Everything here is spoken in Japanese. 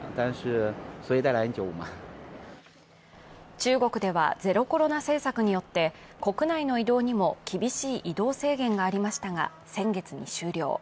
中国ではゼロコロナ政策によって、国内の移動にも厳しい移動制限がありましたが、先月に終了。